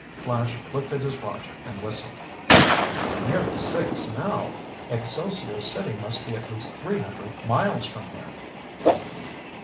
Flash looked at his watch and whistled. "It's nearly six now. Excelsior City must be at least three hundred miles from here."